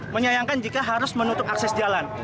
menyayangkan jika harus menutup akses jalan